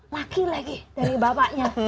laki lagi dari bapaknya